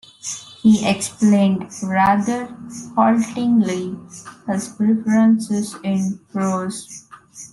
He explained rather haltingly his preferences in prose.